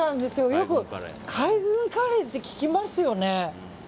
よく海軍カレーって聞きますよね。